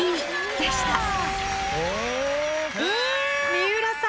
三浦さん